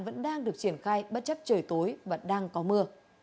vẫn đang được triển khai bất chấp trời tối và đang có mưa